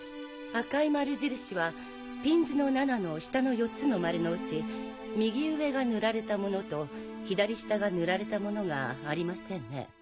赤い丸印はピンズの７の下の４つの丸のうち右上が塗られたものと左下が塗られたものがありませんね。